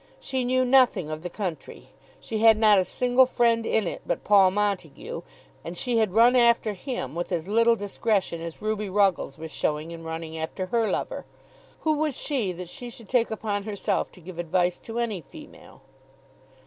She knew nothing of the country. She had not a single friend in it, but Paul Montague; and she had run after him with as little discretion as Ruby Ruggles was showing in running after her lover. Who was she that she should take upon herself to give advice to any female?